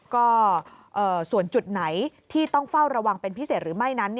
ก็ส่วนจุดไหนที่ต้องเฝ้าระวังเป็นพิเศษหรือไม่นั้น